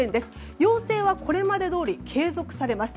要請はこれまでどおり継続されます。